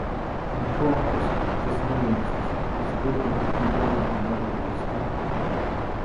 Un, klepus – tas nerimstas. Visgrūtāk ir tikt galā ar "morālo stāju".